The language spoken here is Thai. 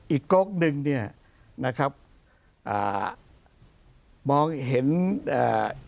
โก๊กหนึ่งเนี้ยนะครับอ่ามองเห็นอ่า